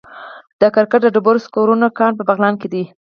د کرکر د ډبرو سکرو کان په بغلان کې دی